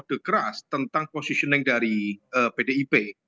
kode keras tentang positioning dari pdip